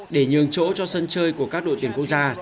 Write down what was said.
để nhường chỗ cho sân chơi của các đội tuyển quốc gia